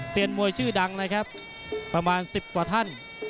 มวยชื่อดังนะครับประมาณ๑๐กว่าท่าน